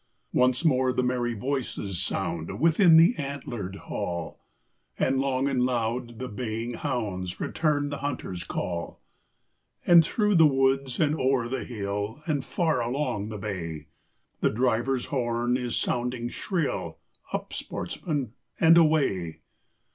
Once more the merry voices sound Within the antlered hall, And long and loud the baying hounds Return the hunter's call; And through the woods, and o'er the hill, And far along the bay, The driver's horn is sounding shrill, Up, sportsmen, and away!